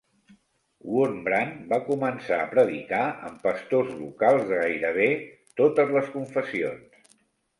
Wurmbrand va començar a predicar amb pastors locals de gairebé totes les confessions.